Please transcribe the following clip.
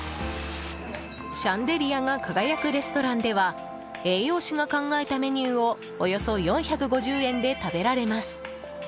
シャンデリアが輝くレストランでは栄養士が考えたメニューをおよそ４５０円で食べられます。